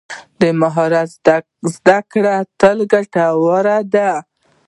د مهارت زده کړه تل ګټوره ده.